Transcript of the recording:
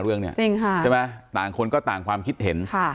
เรื่องเนี่ยจริงค่ะใช่ไหมต่างคนก็ต่างความคิดเห็น